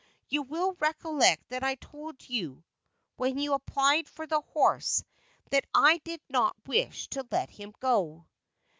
You will recollect that I told you, when you applied for the horse, that I did not wish to let him go."